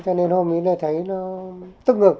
cho nên hôm ấy là thấy nó tức ngực